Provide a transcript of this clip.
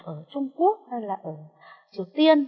ở trung quốc hay là ở triều tiên